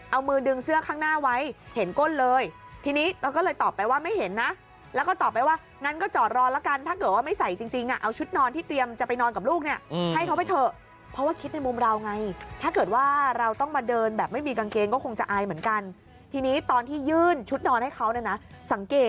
เอามือดึงเสื้อข้างหน้าไว้เห็นก้นเลยทีนี้เราก็เลยตอบไปว่าไม่เห็นนะแล้วก็ตอบไปว่างั้นก็จอดรอละกันถ้าเกิดว่าไม่ใส่จริงอ่ะเอาชุดนอนที่เตรียมจะไปนอนกับลูกเนี่ยให้เขาไปเถอะเพราะว่าคิดในมุมเราไงถ้าเกิดว่าเราต้องมาเดินแบบไม่มีกางเกงก็คงจะอายเหมือนกันทีนี้ตอนที่ยื่นชุดนอนให้เขาเนี่ยนะสังเกต